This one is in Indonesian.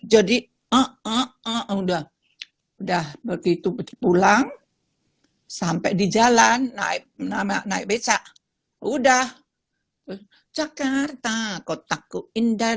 jadi ah ah ah udah udah begitu pulang sampai di jalan naik naik naik becak udah jakarta kotaku indah